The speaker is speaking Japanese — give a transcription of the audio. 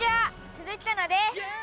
鈴木楽です！